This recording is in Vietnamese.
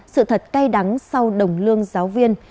sự thật cay đắng sau đồng lương giáo viên